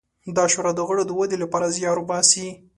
دا شورا د غړو د ودې لپاره زیار باسي.